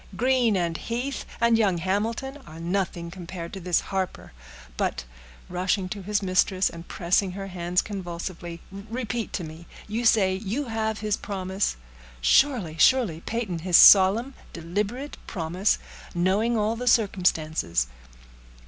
Greene, and Heath, and young Hamilton are nothing compared to this Harper. But," rushing to his mistress, and pressing her hands convulsively, "repeat to me—you say you have his promise?" "Surely, surely, Peyton; his solemn, deliberate promise, knowing all the circumstances."